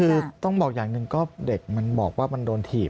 คือต้องบอกอย่างหนึ่งก็เด็กมันบอกว่ามันโดนถีบ